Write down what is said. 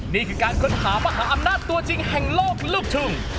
นี่คือการค้นหามหาอำนาจตัวจริงแห่งโลกลูกทุ่ง